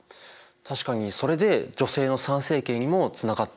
確かにそれで女性の参政権にもつながっていったしね。